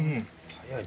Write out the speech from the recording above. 早い。